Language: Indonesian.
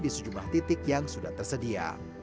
di sejumlah titik yang sudah tersedia